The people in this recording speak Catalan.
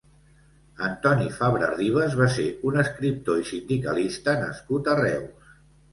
Antoni Fabra Ribas va ser un escriptor i sindicalista nascut a Reus.